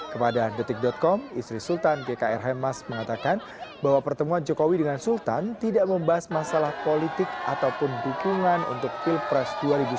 kepada detik com istri sultan gkr hemas mengatakan bahwa pertemuan jokowi dengan sultan tidak membahas masalah politik ataupun dukungan untuk pilpres dua ribu sembilan belas